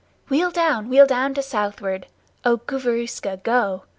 Wheel down, wheel down to southward; oh, Gooverooska, go!